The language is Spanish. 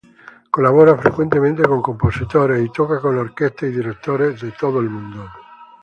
Colabora frecuentemente con compositores y toca con orquestas y directores de todo el mundo.